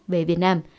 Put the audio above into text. về việt nam